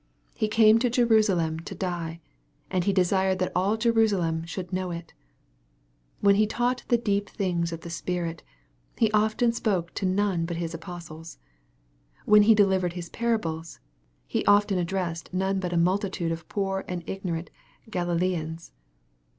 He came to Jerusalem to die, and He desired that all Jerusalem should know it. When He taught the deep things of the Spirit, He often spoke to none but His apostles. When He delivered His parables, He often addressed none but a multitude of poor and ignorant Galileans.